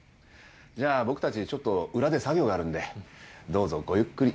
じゃあ僕たちちょっと裏で作業があるんでどうぞごゆっくり。